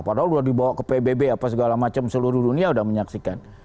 padahal sudah dibawa ke pbb apa segala macam seluruh dunia sudah menyaksikan